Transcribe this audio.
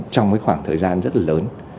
trong cái khoảng thời gian rất là lớn